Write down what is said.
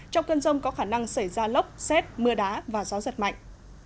trong cơn rông có khả năng xảy ra lốc xét mưa đá và gió giật mạnh